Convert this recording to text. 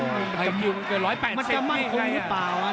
มันจะมั่งคลุมหรือเปล่า